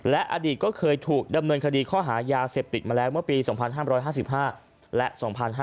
และอดีตก็เคยถูกดำเนินคดีข้อหายาเสพติดมาแล้วเมื่อปี๒๕๕๕และ๒๕๕๙